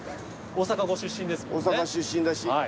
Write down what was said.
大阪出身だし。